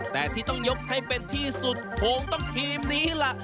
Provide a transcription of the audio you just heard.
แต่ที่ต้องยกให้เป็นที่สุดคงต้องทีมนี้ล่ะ